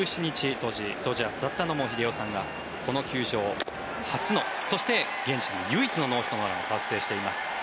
当時、ドジャースだった野茂英雄さんがこの球場、初のそして現在も唯一のノーヒット・ノーランを達成しています。